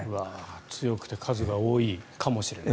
強くて数が多いかもしれない。